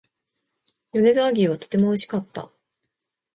米沢牛はとても美味しかった